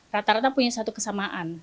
rata rata punya satu kesamaan